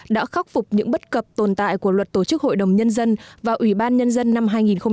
đã khắc phục những bất cập tồn tại của luật tổ chức hội đồng nhân dân và ủy ban nhân dân năm hai nghìn ba